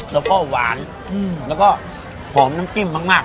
แล้วก็หวานแล้วก็หอมน้ำจิ้มมาก